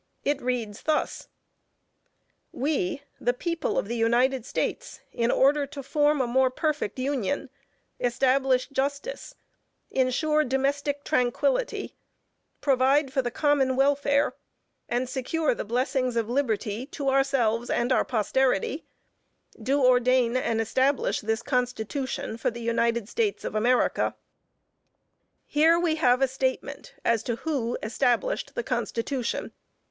It reads thus: "We, the PEOPLE of the United States, in order to form a more perfect union, establish justice, insure domestic tranquility, provide for the common welfare, and secure the blessings of liberty to ourselves and our posterity, do ordain and establish this Constitution for the United States of America." Here we have a statement as to who established the Constitution.